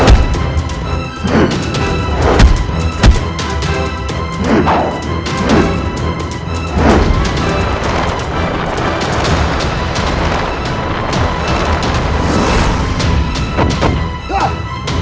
mereka akan menunggu keluarga pada jajaran